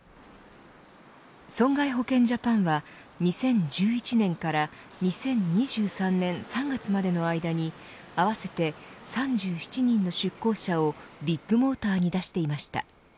損害保険ジャパンは２０１１年から２０２３年３月までの間に合わせて３７人の出向者をビッグモーターに出していました。